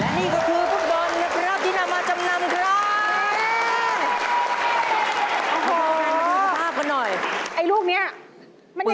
และนี่ก็คือฟุตบอลนะครับที่นำมาจำนำครับ